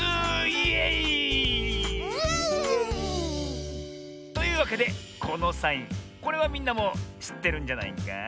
イエイー！というわけでこのサインこれはみんなもしってるんじゃないか？